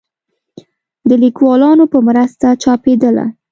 د ليکوالانو په مرسته چاپېدله